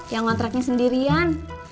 yang ngontraknya sendirian